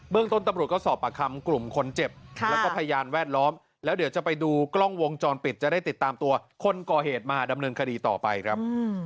ต้นตำรวจก็สอบปากคำกลุ่มคนเจ็บแล้วก็พยานแวดล้อมแล้วเดี๋ยวจะไปดูกล้องวงจรปิดจะได้ติดตามตัวคนก่อเหตุมาดำเนินคดีต่อไปครับ